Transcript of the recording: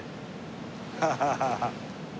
ハハハハ！